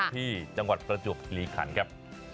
ที่จังหวัดประจวบคิริขันครับ